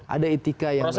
ada etika yang melalui